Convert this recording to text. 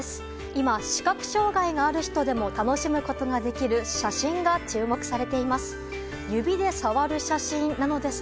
今、視覚障害がある人でも楽しむことができる写真が注目されています。